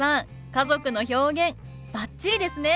家族の表現バッチリですね！